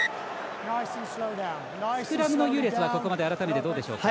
スクラムの優劣はここまで改めて、どうでしょうか。